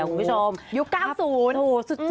อยู่กรรมศูนย์